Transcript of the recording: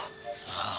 ああ。